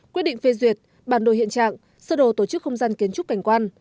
quyết định phê duyệt bản đồ hiện trạng sơ đồ tổ chức không gian kiến trúc cảnh quan